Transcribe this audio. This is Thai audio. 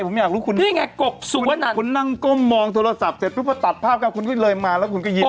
ยิ้มอะไรผมอยากรู้คุณคุณนั่งก้มมองโทรศัพท์เสร็จพอตัดภาพกับคุณก็เลยมาแล้วคุณก็ยิ้ม